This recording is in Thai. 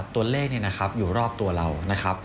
ตัวเลขอยู่รอบตัวเรา